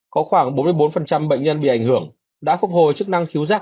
có khoảng bốn mươi bốn bệnh nhân bị ảnh hưởng đã phục hồi chức năng cứu giác